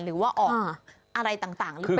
หรือว่าออกอะไรต่างหรือเปล่า